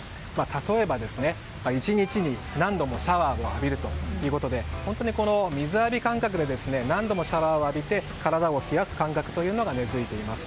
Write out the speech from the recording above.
例えば、１日に何度もシャワーを浴びるということで水浴び感覚で何度もシャワーを浴びて体を冷やす感覚というのが根付いています。